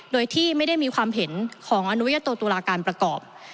โดยที่ไม่ได้มีความเห็นของอนุญาโตตุลาการประกอบ